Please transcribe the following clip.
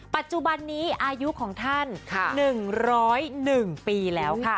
ปัจจุบันนี้อายุของท่าน๑๐๑ปีแล้วค่ะ